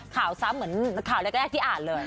ข่าวซ้ำเหมือนข่าวเลขแรกที่อ่านเลย